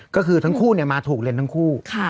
ก็คือทั้งคู่เนี่ยมาถูกเลนทั้งคู่